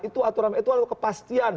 itu aturan itu adalah kepastian